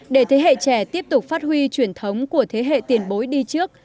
để thế hệ trẻ tiếp tục phát huy truyền thống của thế hệ tiền bối đi trước